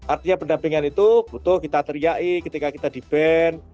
artinya pendampingan itu butuh kita teriak ketika kita di ban